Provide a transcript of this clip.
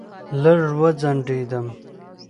لږ وځنډېدم.